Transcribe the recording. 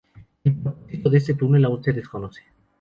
El propósito de este túnel aún se desconoce.